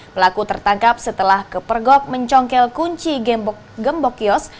pelaku tertangkap setelah kepergok mencongkel kunci gembok kios